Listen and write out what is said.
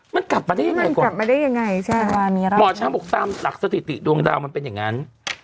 มันกลับมาได้ยังไงกว่ากลับมาได้ยังไงใช่ไหมหมอช้างบอกตามหลักสถิติดวงดาวมันเป็นอย่างนั้น